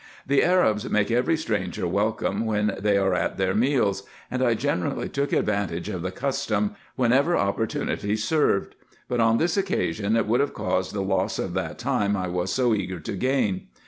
The Arabs make every stranger welcome when they are at their meals ; and I generally took advantage of the custom, whenever oppor tunity served ; but on this occasion it would have caused the loss of that time I was so eager to gain.